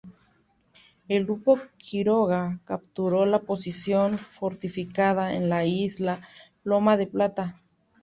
El grupo Quiroga capturó la posición fortificada en la isla "Loma de Plata".